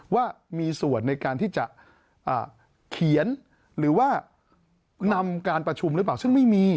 ว่ามีส่วนในการที่จะเขียนหรือว่านำการประชุมหรือเปล่าซึ่งไม่มี